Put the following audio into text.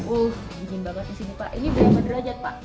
uh izin banget di sini pak ini berapa derajat pak